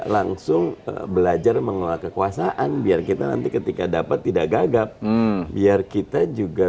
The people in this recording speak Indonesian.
langsung belajar mengelola kekuasaan biar kita nanti ketika dapat tidak gagap biar kita juga